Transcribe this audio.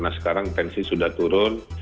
nah sekarang tensi sudah turun